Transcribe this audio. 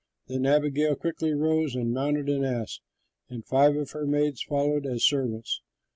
Then Abigail quickly rose and mounted an ass; and five of her maids followed as servants.